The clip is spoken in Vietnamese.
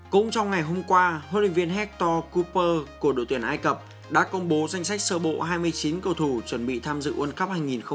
cũng trong ngày hôm qua huấn luyện viên hector kuper của đội tuyển ai cập đã công bố danh sách sơ bộ hai mươi chín cầu thủ chuẩn bị tham dự world cup hai nghìn hai mươi